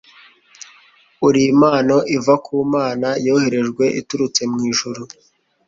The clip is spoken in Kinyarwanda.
uri impano iva ku mana, yoherejwe iturutse mu ijuru